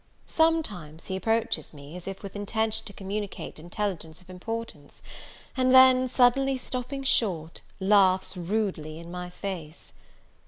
Sometimes he approaches me, as if with intention to communicate intelligence of importance; and then, suddenly stopping short, laughs rudely in my face.